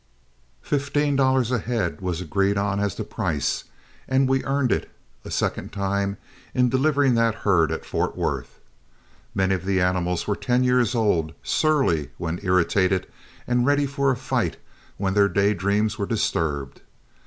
Fifteen dollars a head was agreed on as the price, and we earned it a second time in delivering that herd at Fort Worth. Many of the animals were ten years old, surly when irritated, and ready for a fight when their day dreams were disturbed.